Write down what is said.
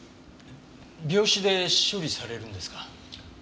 病死で処理されるんですか？